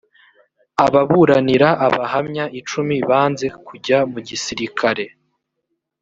ababuranira abahamya icumi banze kujya mu gisirikare